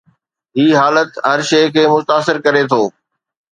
هي حالت هر شيء کي متاثر ڪري ٿو.